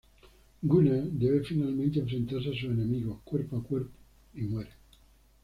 Gunnar debe finalmente enfrentarse a sus enemigos cuerpo a cuerpo y muere.